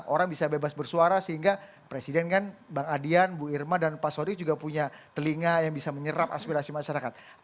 orang bisa bebas bersuara sehingga presiden kan bang adian bu irma dan pak sorry juga punya telinga yang bisa menyerap aspirasi masyarakat